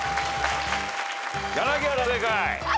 柳原正解。